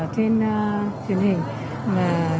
trên truyền hình